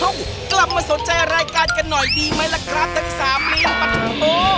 เอ้ากลับมาสนใจรายการกันหน่อยดีมั้ยล่ะครับทั้งสามนี่ล่ะปะโต้